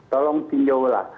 tolong pinjau lah